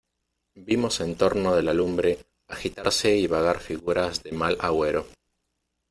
vimos en torno de la lumbre agitarse y vagar figuras de mal agüero: